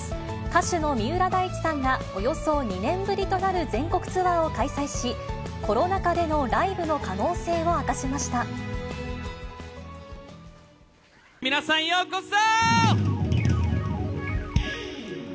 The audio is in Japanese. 歌手の三浦大知さんが、およそ２年ぶりとなる全国ツアーを開催し、コロナ禍でのライブの皆さん、ようこそ。